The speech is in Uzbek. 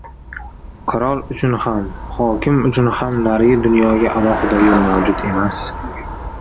• Qirol uchun ham, hokim uchun ham narigi dunyoga alohida yo‘l mavjud emas.